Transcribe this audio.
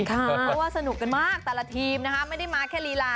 เพราะว่าสนุกกันมากแต่ละทีมนะคะไม่ได้มาแค่ลีลา